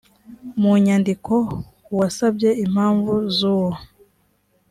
mu nyandiko uwasabye impamvu z’uwo